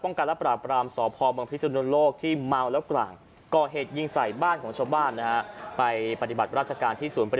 ก็เส้นคำสั่งย้ายเลยครับย้ายนายจำลวด